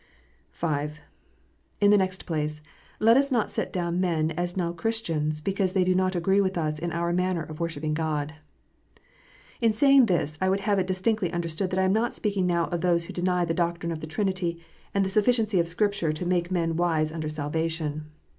(5) In the next place, let us not set down men as no Cliristians, because they do not agree with us in our manner of worshipping God. In saying this, I would have it distinctly understood that I am not speaking now of those who deny the doctrine of the Trinity, and the sufficiency of Scripture to make men wise unto salvation.